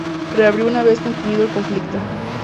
Reabrió una vez concluido el conflicto.